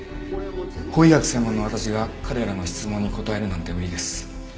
法医学専門の私が彼らの質問に答えるなんて無理です。